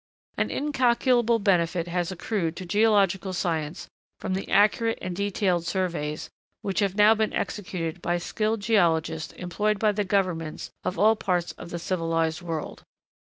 An incalculable benefit has accrued to geological science from the accurate and detailed surveys, which have now been executed by skilled geologists employed by the Governments of all parts of the civilised world.